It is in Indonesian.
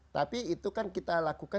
tapi itu kan kita lakukan